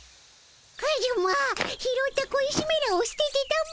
カジュマ拾った小石めらをすててたも。